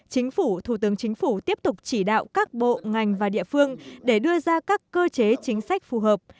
chính phủ thủ tướng chính phủ tiếp tục chỉ đạo các bộ ngành và địa phương để đưa ra các cơ chế chính sách phù hợp